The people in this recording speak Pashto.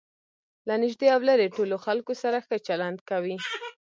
له نژدې او ليري ټولو خلکو سره ښه چلند کوئ!